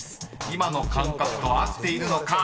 今の感覚と合っているのか？